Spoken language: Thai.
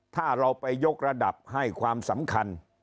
ถ้าเราไปยกระดับให้ความสำคัญ